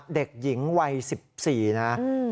เด็กหญิงวัย๑๔นะ